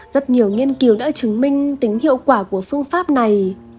rất nhiều nghiên cứu đã chứng minh tính hiệu quả của phương pháp này